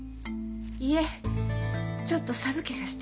いえちょっと寒気がして。